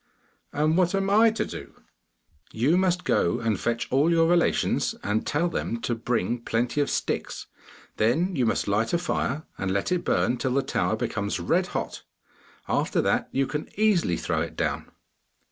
'And what am I to do?' 'You must go and fetch all your relations, and tell them to bring plenty of sticks; then you must light a fire, and let it burn till the tower becomes red hot. After that you can easily throw it down.